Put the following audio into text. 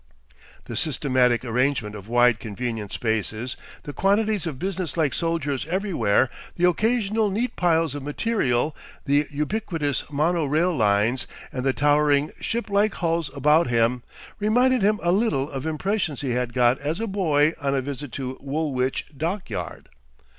The systematic arrangement of wide convenient spaces, the quantities of business like soldiers everywhere, the occasional neat piles of material, the ubiquitous mono rail lines, and the towering ship like hulls about him, reminded him a little of impressions he had got as a boy on a visit to Woolwich Dockyard.